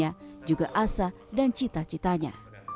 yang mencari keasaan dan cita citanya